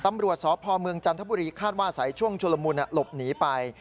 ตำรวจสพเมืองจันทบุรีคาดว่าอาศัยช่วงชุลมุนหลบหนีไป